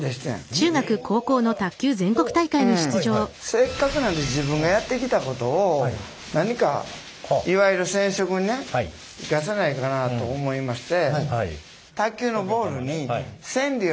せっかくなんで自分がやってきたことを何かいわゆる染色にね生かせないかなと思いまして。